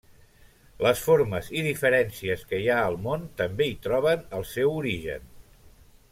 Les formes i diferències que hi ha al món també hi troben el seu origen.